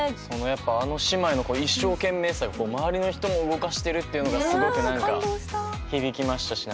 やっぱあの姉妹の一生懸命さが周りの人も動かしてるっていうのがすごくなんか響きましたし。